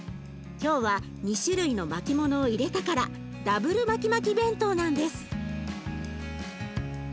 今日は２種類の巻きものを入れたからダブルマキマキ弁当なんです。